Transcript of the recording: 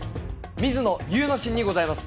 水野祐之進にございます。